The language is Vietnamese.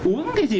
uống cái gì